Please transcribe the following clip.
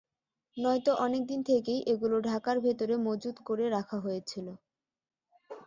নয়তো অনেক দিন থেকেই এগুলো ঢাকার ভেতরে মজুত করে রাখা হয়েছিল।